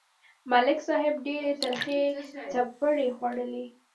ملک صاحب ډېرې ترخې څپېړې خوړلې.